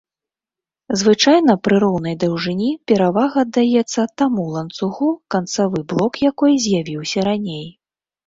Звычайна пры роўнай даўжыні перавага аддаецца таму ланцугу, канцавы блок якой з'явіўся раней.